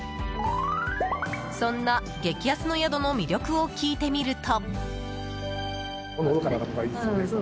そんな激安の宿の魅力を聞いてみると。